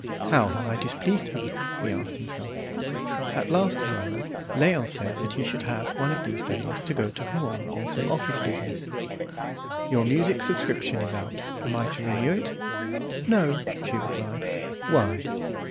"How have I displeased her?" he asked himself. At last, however, Léon said that he should have, one of these days, to go to Rouen on some office business. "Your music subscription is out; am I to renew it?" "No," she replied. "Why?"